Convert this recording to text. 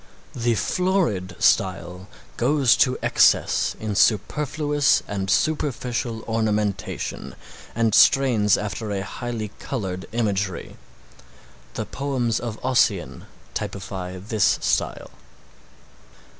The florid style goes to excess in superfluous and superficial ornamentation and strains after a highly colored imagery. The poems of Ossian typify this style.